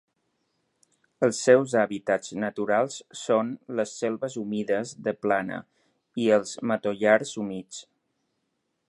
Els seus hàbitats naturals són les selves humides de plana i els matollars humits.